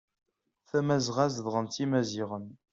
Tamazɣa zedɣen-tt imaziɣen.